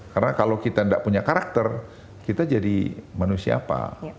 karena kalau kita nggak punya karakter kita jadi manusia apa